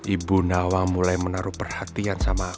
ibu nawang mulai menaruh perhatian sama aku